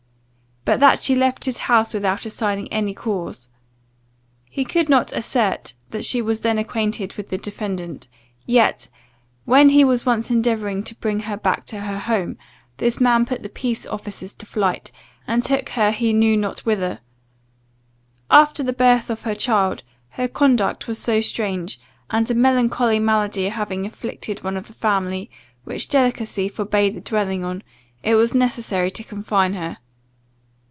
But that she left his house without assigning any cause. He could not assert that she was then acquainted with the defendant; yet, when he was once endeavouring to bring her back to her home, this man put the peace officers to flight, and took her he knew not whither. After the birth of her child, her conduct was so strange, and a melancholy malady having afflicted one of the family, which delicacy forbade the dwelling on, it was necessary to confine her.